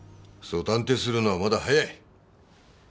そう断定するのはまだ早い！